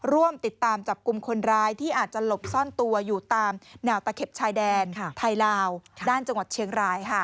ร่วมติดตามจับกลุ่มคนร้ายที่อาจจะหลบซ่อนตัวอยู่ตามแนวตะเข็บชายแดนไทยลาวด้านจังหวัดเชียงราย